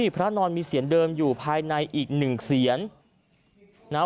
พระนอนมีเสียงเดิมอยู่ภายในอีกหนึ่งเสียงนะ